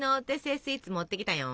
スイーツ持ってきたよん！